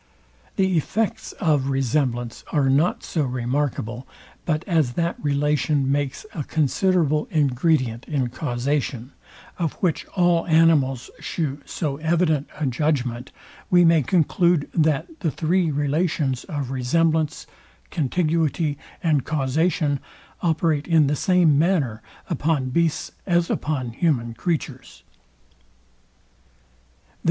The effects of resemblance are not so remarkable; but as that relation makes a considerable ingredient in causation, of which all animals shew so evident a judgment, we may conclude that the three relations of resemblance, contiguity and causation operate in the same manner upon beasts as upon human creatures.